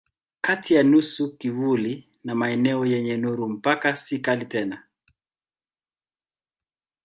Kati ya nusu kivuli na maeneo yenye nuru mpaka si kali tena.